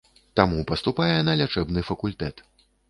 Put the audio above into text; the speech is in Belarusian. Таму паступае на лячэбны факультэт.